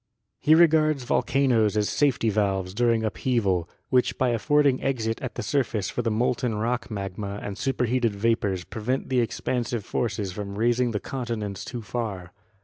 He regards volcanoes as safety valves during upheaval, which by affording exit at the surface for the molten rock magma and superheated vapors prevent the expansive forces from raising the continents too far.